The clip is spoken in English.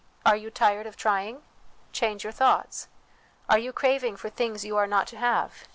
Are you tired of trying ? Change your thoughts. Are you craving for things you are not to have